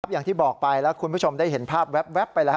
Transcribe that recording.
อย่างที่บอกไปแล้วคุณผู้ชมได้เห็นภาพแว๊บไปแล้ว